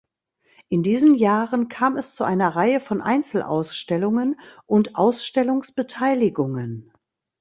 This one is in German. In diesen Jahren kam es zu einer Reihe von Einzelausstellungen und Ausstellungsbeteiligungen.